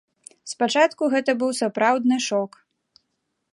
Спачатку гэта быў сапраўдны шок!